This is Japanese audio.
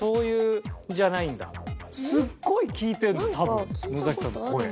すっごい聞いてんのよ多分のざきさんの声。